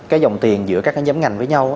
cái dòng tiền giữa các cái giám ngành với nhau